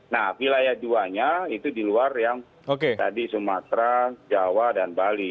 nah wilayah duanya itu di luar yang tadi sumatera jawa dan bali